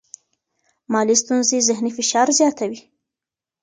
مالي ستونزې ذهنی فشار زیاتوي.